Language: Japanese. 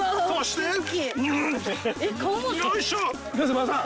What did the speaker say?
馬場さん。